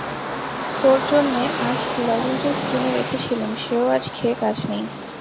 তোর জন্যে আজ লজঞ্জুস কিনে রেখেছিলুম, সেও আজ খেয়ে কাজ নেই।